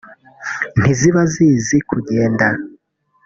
ntiziba zizi kugenda